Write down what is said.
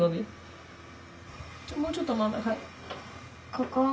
ここ？